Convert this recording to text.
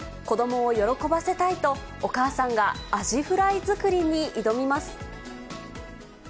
子どもを喜ばせたいと、お母さんがアジフライ作りに挑みます。